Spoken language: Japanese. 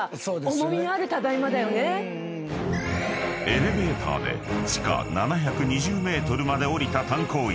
［エレベーターで地下７２０ｍまで降りた炭鉱員］